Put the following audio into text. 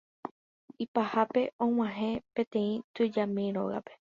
Ipahápe og̃uahẽ peteĩ tujami rógape.